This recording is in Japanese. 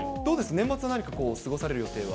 年末は何か過ごされる予定は。